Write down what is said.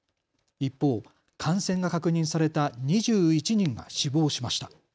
一方、感染が確認された２１人が死亡しました。